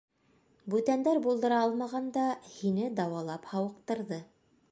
Бүтәндәр булдыра алмағанда, һине дауалап һауыҡтырҙы.